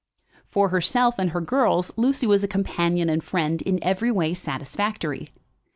For herself and her girls Lucy was a companion and friend in every way satisfactory.